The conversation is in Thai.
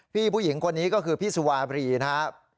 ผู้หญิงคนนี้ก็คือพี่สุวาบรีนะครับ